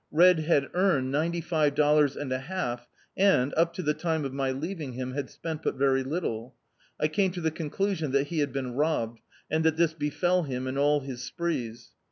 Red had earned ninety>five dollars and a half, and, up to the time of my leaving him, had spent but very tittle. I came to the conclusion that he had been robbed, and that this t>efell him in all his sprees.